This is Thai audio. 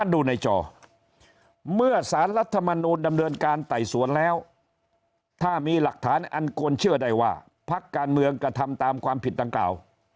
ดูในจอเมื่อสารรัฐมนูลดำเนินการไต่สวนแล้วถ้ามีหลักฐานอันควรเชื่อได้ว่าพักการเมืองกระทำตามความผิดดังกล่าว